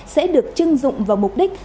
sẽ được chưng dụng vào mục đích